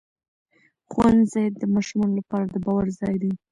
ښوونځی د ماشومانو لپاره د باور ځای دی